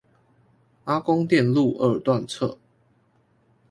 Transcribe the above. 阿公店路二段側